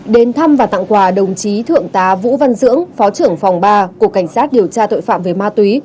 đến thăm và tặng quà đồng chí thượng tá vũ văn dưỡng phó trưởng phòng ba cục cảnh sát điều tra tội phạm về ma túy